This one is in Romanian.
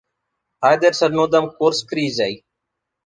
Haideți să nu dăm curs crizei.